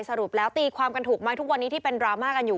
สรุปแล้วตีความกันถูกไหมทุกวันนี้ที่เป็นดราม่ากันอยู่